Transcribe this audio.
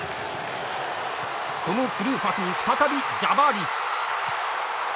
このスルーパスに再びジャバーリ。